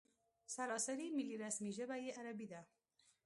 سراسري ملي رسمي ژبه یې عربي ده.